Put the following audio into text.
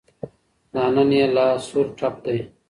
دا نن يې لا سور ټپ دی